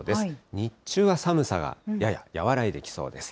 日中は寒さがやや和らいできそうです。